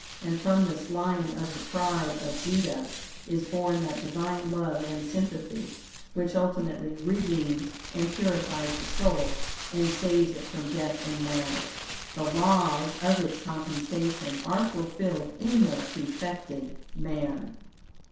And from this lion of the Tribe of Judah, is born that Divine love and sympathy which ultimately redeems and purifies the soul and saves it from death in matter. The laws of its compensation are fulfilled in the prefected man.